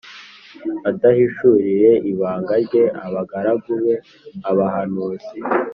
adahishuriye ibanga rye abagaragu be, abahanuzi.